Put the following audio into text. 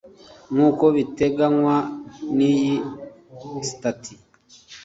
nkuko biteganywa n iyi sitati